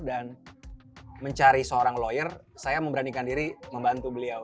dan mencari seorang lawyer saya memberanikan diri membantu beliau